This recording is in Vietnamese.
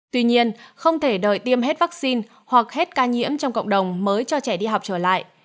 tuy nhiên không thể đòi tiêm hết vaccine hoặc hết ca nhiễm trong cộng đồng mới cho trẻ đi học trở lại